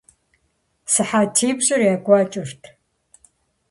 СыхьэтипщӀыр екӀуэкӀырт.